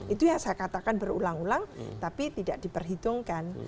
itu yang saya katakan berulang ulang tapi tidak diperhitungkan